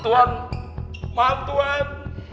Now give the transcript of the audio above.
tuan maaf tuan